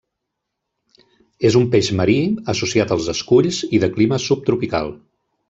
És un peix marí, associat als esculls i de clima subtropical.